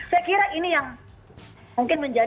saya kira ini yang mungkin menjadi